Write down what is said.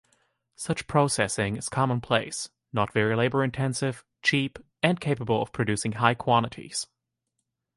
Such processing is commonplace, not very labour-intensive, cheap, and capable of producing high quantities.